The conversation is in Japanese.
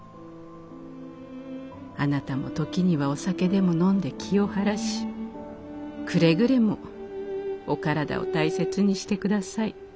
「あなたも時にはお酒でも飲んで気を晴らしくれぐれもお体を大切にしてください。